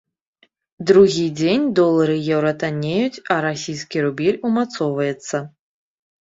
Другі дзень долар і еўра таннеюць, а расійскі рубель умацоўваецца.